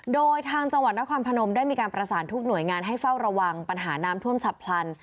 โดยทางจังหวัดนครพนมได้มีการประสานทุกหน่วยงานให้เฝ้าระวังปัญหาน้ำท่วมฉับพลัน